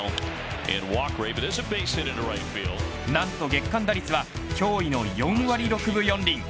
何と月間打率は驚異の４割６分４厘。